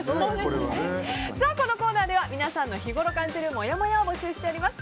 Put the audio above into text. このコーナーでは皆さんの日ごろ感じるもやもやを募集しています。